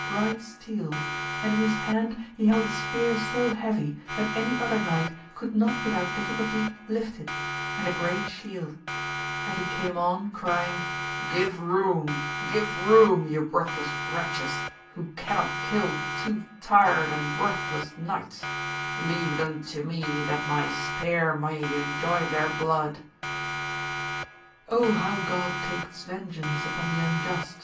bright steel, and in his hand he held a spear so heavy that any other knight could not without difficulty lift it, and a great shield ; and he came on crying, give room, give room, ye worthless wretches, who cannot kill two tired and worthless knights I leaye them to me that my spear may enjoy their blood. how God takes vengeance upon the unjust